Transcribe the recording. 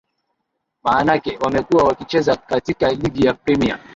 maanake wamekuwa wakicheza katika ligi ya premier